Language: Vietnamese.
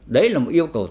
đấy là một yêu cầu tốt